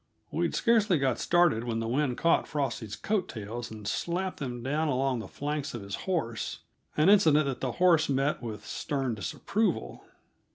We'd scarcely got started when the wind caught Frosty's coat tails and slapped them down along the flanks of his horse an incident that the horse met with stern disapproval.